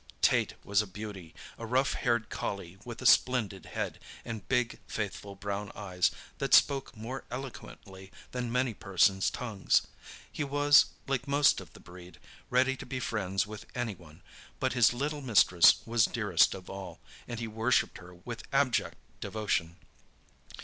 Tait was a beauty—a rough haired collie, with a splendid head, and big, faithful brown eyes, that spoke more eloquently than many persons' tongues. He was, like most of the breed, ready to be friends with any one; but his little mistress was dearest of all, and he worshipped her with abject devotion.